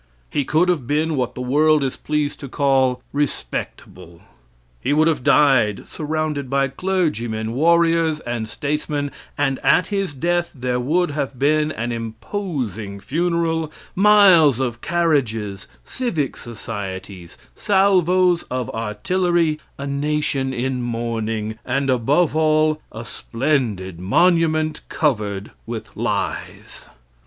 He could have been what the world is pleased to call "respectable." He would have died surrounded by clergymen, warriors, and statesmen, and at his death there would have been an imposing funeral, miles of carriages, civic societies, salvos of artillery, a Nation in mourning, and, above all, a splendid monument covered with lies.